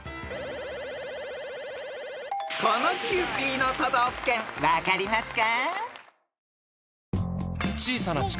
［このキユーピーの都道府県分かりますか？］